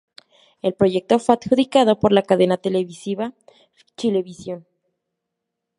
El proyecto fue adjudicado por la cadena televisiva Chilevisión.